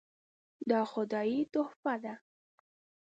دا خدایي تحفه ده .